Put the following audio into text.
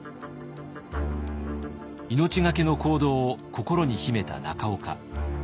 命懸けの行動を心に秘めた中岡。